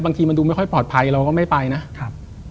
บางทีมันดูไม่ค่อยปลอดภัยเราก็ไม่ไปนะครับ